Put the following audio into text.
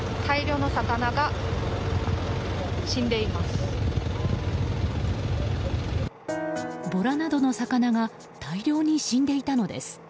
大量の魚が死んでいます。